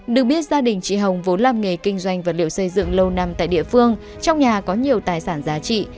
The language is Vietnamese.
được biết gia đình chị hồng vốn làm nghề kinh doanh vật liệu xây dựng lâu năm tại địa phương trong nhà có nhiều tài sản giá trị